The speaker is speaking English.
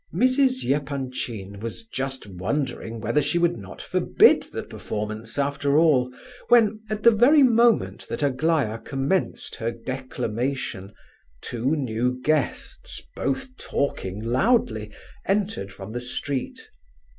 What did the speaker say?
Mrs. Epanchin was just wondering whether she would not forbid the performance after all, when, at the very moment that Aglaya commenced her declamation, two new guests, both talking loudly, entered from the street.